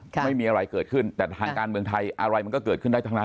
เพราะว่างั้นเราไม่มีอะไรแต่ฐานการณ์เมืองไทยอะไรมันก็เป็นภายใน